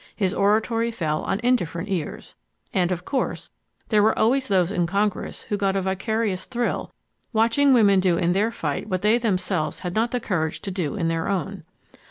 His oratory fell on indifferent ears. And of course there were always those in Congress who got a vicarious thrill watching women do in their fight what they themselves had not the courage to do in their own.